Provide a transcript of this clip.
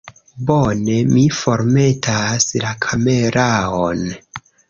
Bone, mi formetas la kameraon